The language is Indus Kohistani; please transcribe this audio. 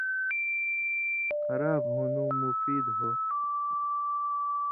خراب ہُوݩدُوں مفید ہوتُھو۔